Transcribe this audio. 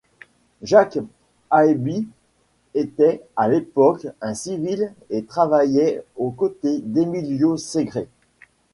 Jack Aeby était, à l'époque, un civil et travaillait aux côtés d'Emilio Segrè.